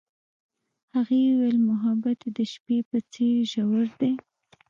هغې وویل محبت یې د شپه په څېر ژور دی.